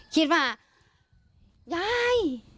คิดว่ายาย